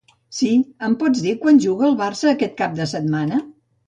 Sí, em pots dir quan juga el Barça quest cap de setmana?